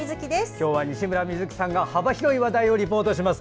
今日は西村美月さんが幅広い話題をリポートします。